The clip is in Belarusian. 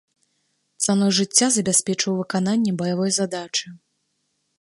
Цаной жыцця забяспечыў выкананне баявой задачы.